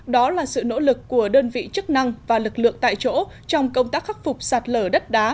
đó là sự nỗ lực của đơn vị chức năng và lực lượng tại chỗ trong công tác khắc phục sạt lở đất đá